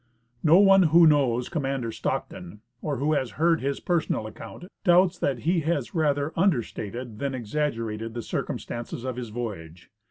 No one who knows Commander Stockton, or wdio has heard his personal account, doubts that he has rather under stated than exaggerated the circumstances of his voyage.